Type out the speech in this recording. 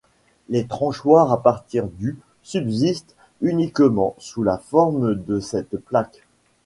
Les tranchoirs à partir du subsistent uniquement sous la forme de cette plaque.